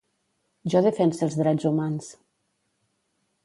Jo defense els drets humans.